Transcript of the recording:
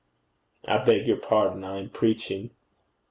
I beg your pardon: I am preaching.'